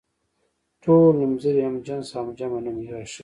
ټول نومځري هم جنس او جمع نوم راښيي.